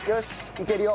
いけるよ。